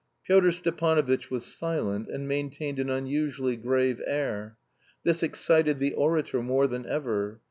Pyotr Stepanovitch was silent, and maintained an unusually grave air. This excited the orator more than ever.